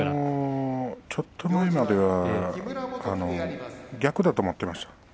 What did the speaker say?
ちょっと前までは逆だと思っていました。